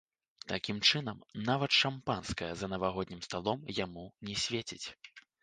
Такім чынам, нават шампанскае за навагоднім сталом яму не свеціць.